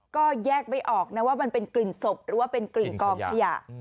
ก็แยกไม่ออกนะว่ามันเป็นกลิ่นศพหรือว่าเป็นกลิ่นกองขยะ